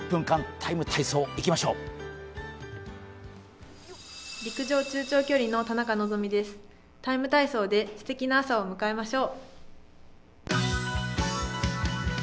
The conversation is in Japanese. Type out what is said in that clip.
「ＴＩＭＥ，体操」ですてきな朝を迎えましょう。